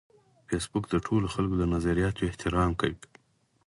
فېسبوک د ټولو خلکو د نظریاتو احترام کوي